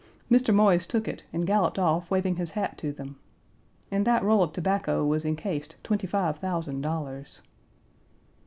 Mr. Moise took it, and galloped off, waving his hat to them. In that roll of tobacco was encased twenty five thousand dollars.